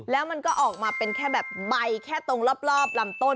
แล้วมันก็ออกมาเป็นแค่แบบใบแค่ตรงรอบลำต้น